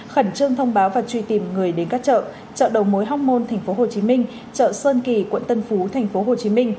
khẩn trương thông báo và truy tìm người đến các chợ chợ đầu mối hóc môn tp hcm chợ sơn kỳ quận tân phú tp hcm